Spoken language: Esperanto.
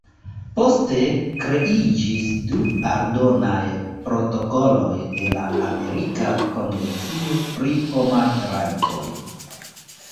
Poste kreiĝis du aldonaj protokoloj de la Amerika Konvencio pri Homaj Rajtoj.